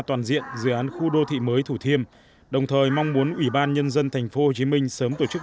toàn diện dự án khu đô thị mới thủ thiêm đồng thời mong muốn ủy ban nhân dân tp hcm sớm tổ chức